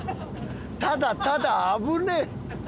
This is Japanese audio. ただただ危ねえ！